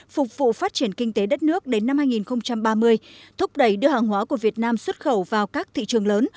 phục vụ phát triển kinh tế đất nước đến năm hai nghìn ba mươi thúc đẩy đưa hàng hóa của việt nam xuất khẩu vào các thị trường lớn